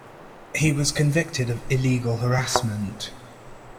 He was convicted of illegal harassment.